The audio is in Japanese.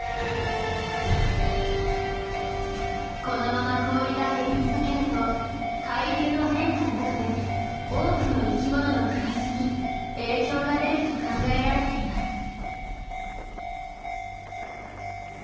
このまま氷が減り続けると海流の変化などで多くの生きものの暮らしに影響が出ると考えられています。